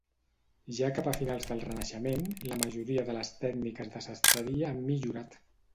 Ja cap a finals del renaixement la majoria de les tècniques de sastreria han millorat.